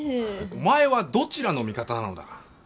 お前はどちらの味方なのだ？